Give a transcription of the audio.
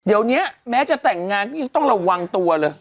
เดี๋ยวนี้แม้จะแต่งงานก็ยังต้องระวังตัวเลย